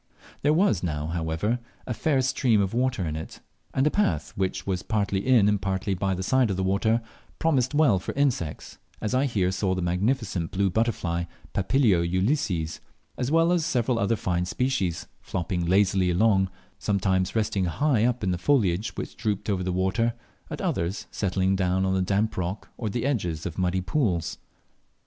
There was now, however, a fair stream of water in it; and a path which was partly in and partly by the side of the water, promised well for insects, as I here saw the magnificent blue butterfly, Papilio ulysses, as well as several other fine species, flopping lazily along, sometimes resting high up on the foliage which drooped over the water, at others settling down on the damp rock or on the edges of muddy pools.